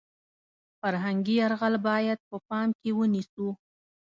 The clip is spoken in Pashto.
فرهنګي یرغل باید په پام کې ونیسو .